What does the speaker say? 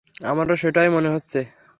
আমারও সেটাই মনে হচ্ছে।